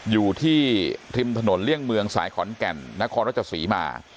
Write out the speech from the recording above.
อยู่ที่ริมถนนเลี่ยงเมืองสายขอนแก่นนครรัชศรีมา